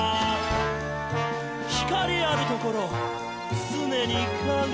「光あるところ、つねに影あり！」